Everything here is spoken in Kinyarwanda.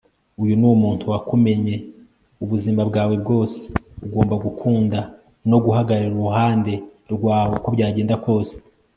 uyu ni umuntu wakumenye ubuzima bwawe bwose, ugomba kugukunda no guhagarara iruhande rwawe uko byagenda kose